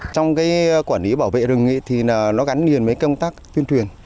trong cái quản lý bảo vệ rừng thì nó gắn liền với công tác tuyên truyền